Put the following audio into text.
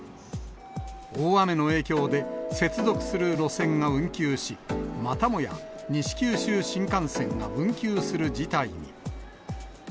大雨の影響で、接続する路線が運休し、またもや西九州新幹線が運休する事態に。